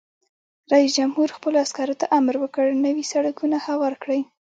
رئیس جمهور خپلو عسکرو ته امر وکړ؛ نوي سړکونه هوار کړئ!